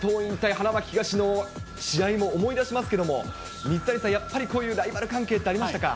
花巻東の試合も思い出しますけれども、水谷さん、やっぱりこういうライバル関係ってありましたか。